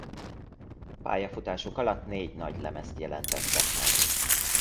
Pályafutásuk alatt négy nagylemezt jelentettek meg.